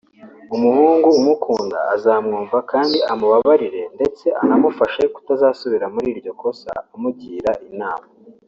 umuhungu umukunda azamwumva kandi amubabarire ndetse anamufashe kutazasubira muri iryo kosa amugira inama